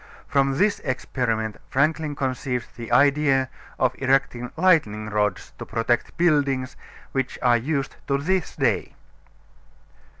From this experiment Franklin conceived the idea of erecting lightning rods to protect buildings, which are used to this day.